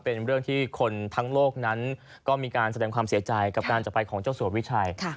เป็นเรื่องที่คนทั้งโลกนั้นก็มีการแสดงความเสียใจกับการจักรไปของเจ้าสัววิชัย